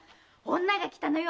女が来たのよ。